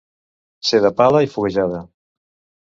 Ser de pala i foguejada.